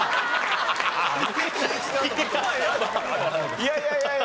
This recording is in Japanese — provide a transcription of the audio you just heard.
いやいやいやいや。